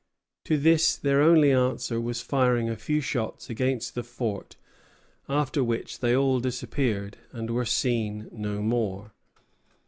To this their only answer was firing a few shots against the fort, after which they all disappeared, and were seen no more.